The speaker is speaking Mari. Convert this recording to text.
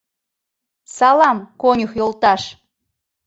— Салам, конюх йолташ!